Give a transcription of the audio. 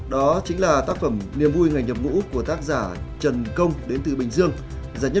tôi có thể nói tóm lại